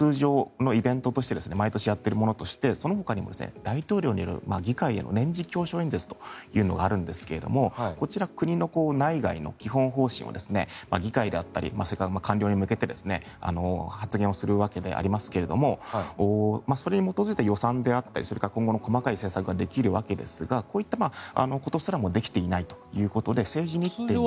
やはり通常のイベントとして毎年やっているものとしてそのほかに大統領による議会への年次教書演説があるんですが国の内外の基本方針を議会だったり官僚に向けて発言をするわけですがそれに基づいた予算であったり今後の細かい政策ができるわけですがこういったことすらもできていないということで政治日程を。